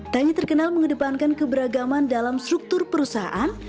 tani terkenal mengedepankan keberagaman dalam struktur perusahaan